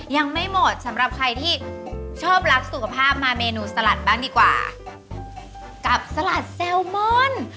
ยังไม่หมดสำหรับใครที่ชอบรักสุขภาพมาเมนูสลัดบ้างดีกว่ากับสลัดแซลมอน